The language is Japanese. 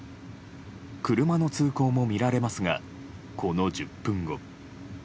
車の通行も見られますがこの１０分後。